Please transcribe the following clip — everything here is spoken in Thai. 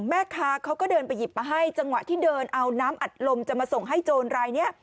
แม่ค้าเขาก็เดินไปหยิบมาให้จังหวะที่เดินเอาน้ำอัดลมจะมาส่งให้โจรรายนี้